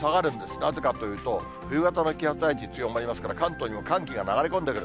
なぜかというと、冬型の気圧配置、強まりますから、関東にも寒気が流れ込んでくる。